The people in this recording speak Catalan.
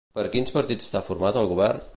Per quins partits està format el govern?